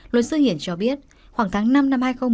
lội sư hiển cho biết khoảng tháng năm năm hai nghìn một mươi chín